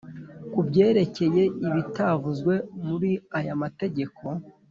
Kubyerekeye ibitavuzwe muri aya mategeko